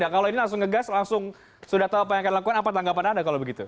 kalau ini langsung ngegas langsung sudah tahu apa yang akan dilakukan apa tanggapan anda kalau begitu